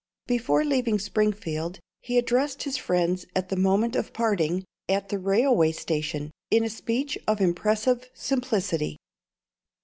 Before leaving Springfield, he addressed his friends at the moment of parting, at the railway station, in a speech of impressive simplicity.